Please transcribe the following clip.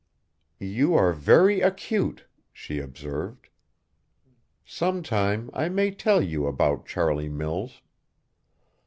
"You are very acute," she observed. "Some time I may tell you about Charlie Mills.